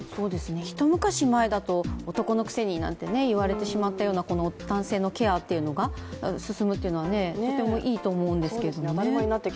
一昔前だと男のくせになんて言われてしまったような男性のケアが進むというのはとてもいいと思うんですけどね